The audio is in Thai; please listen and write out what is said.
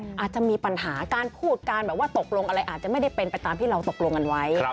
อาจจะมีปัญหาการพูดการแบบว่าตกลงอะไรอาจจะไม่ได้เป็นไปตามที่เราตกลงกันไว้